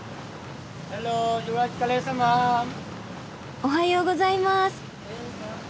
おはようございます。